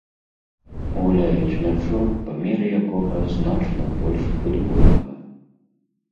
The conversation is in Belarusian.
Гуляюць мячом, памеры якога значна больш футбольнага.